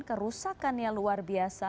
kerusakannya luar biasa